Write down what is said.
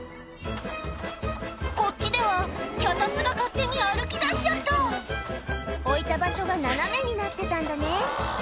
こっちでは脚立が勝手に歩きだしちゃった置いた場所が斜めになってたんだね